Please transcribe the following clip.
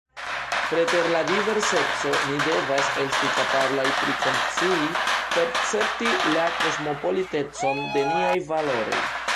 Preter la diverseco ni devas esti kapablaj prikonscii, percepti la kosmopolitecon de niaj valoroj.